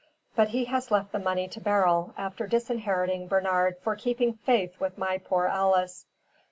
But he has left the money to Beryl, after disinheriting Bernard for keeping faith with my poor Alice."